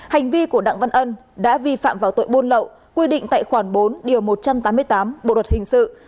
hành vi của đặng văn ân đã vi phạm vào tội buôn lậu quy định tại khoản bốn điều một trăm tám mươi tám bộ luật hình sự